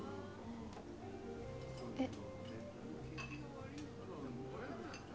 えっ。